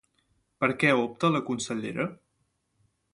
Per què opta la consellera?